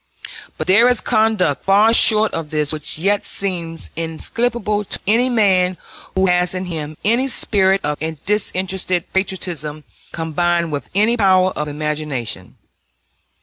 But there is conduct far short of this which yet seems inexplicable to any man who has in him any spirit of disinterested patriotism combined with any power of imagination.